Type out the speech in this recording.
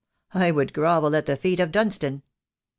I would grovel at the feet of Dunstan."